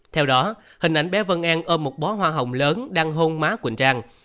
theo đó hình ảnh bé vân an ôm một bó hoa hồng lớn đang hôn má quỳnh trang